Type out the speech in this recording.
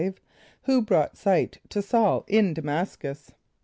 = Who brought sight to S[a:]ul in D[+a] m[)a]s´cus?